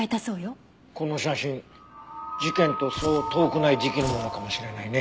この写真事件とそう遠くない時期のものかもしれないね。